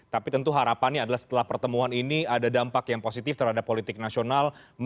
tapi tentu harapannya adalah setelah pertemuan ini ada dampak yang positif terhadap politik nasional